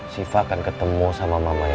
siva akan ketemu sama mama ya